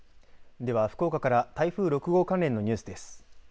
では福岡から台風６号関連のニュースです。